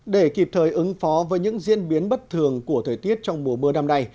để kịp thời ứng phó với những diễn biến bất thường của thời tiết trong mùa mưa năm nay